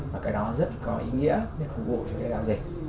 và cái đó rất có ý nghĩa để phục vụ cho cái giao dịch